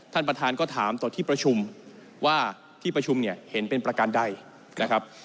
ท่านประธานก็ถามต่อที่ประชุมว่าที่ประชุมเนี่ยเห็นเป็นประการใดนะครับ